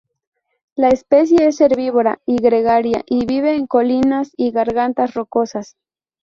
La especie es herbívora y gregaria, y vive en colinas y gargantas rocosas.